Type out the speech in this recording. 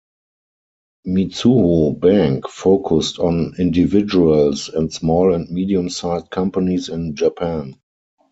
Mizuho Bank focused on individuals and small and medium-sized companies in Japan.